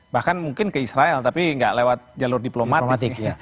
bahkan mungkin ke israel tapi nggak lewat jalur diplomatik